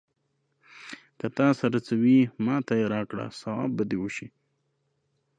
که تا سره څه وي، ماته يې راکړه ثواب به دې وشي.